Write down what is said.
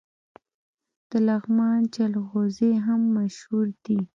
د لغمان جلغوزي هم مشهور دي.